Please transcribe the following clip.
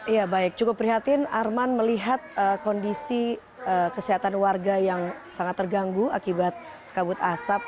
ya baik cukup prihatin arman melihat kondisi kesehatan warga yang sangat terganggu akibat kabut asap